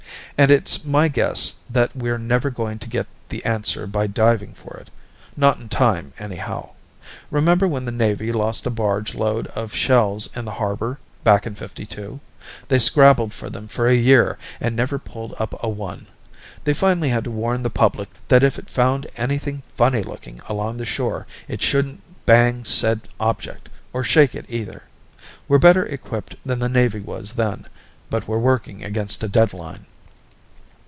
"And it's my guess that we're never going to get the answer by diving for it not in time, anyhow. Remember when the Navy lost a barge load of shells in the harbor, back in '52? They scrabbled for them for a year and never pulled up a one; they finally had to warn the public that if it found anything funny looking along the shore it shouldn't bang said object, or shake it either. We're better equipped than the Navy was then but we're working against a deadline."